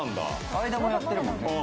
相田も、やってるもんね？